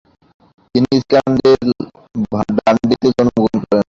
তিনি স্কটল্যান্ডের ডান্ডিতে জন্মগ্রহণ করেন।